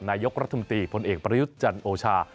นายกรัฐศัมดีภัณฑ์เอกประยุทธ์จันทร์โอนช่า